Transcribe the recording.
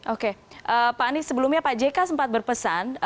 oke pak anies sebelumnya pak jk sempat berpesan